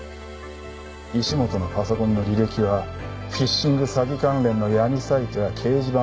石本のパソコンの履歴はフィッシング詐欺関連の闇サイトや掲示板ばかりだった。